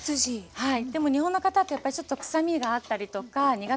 はい。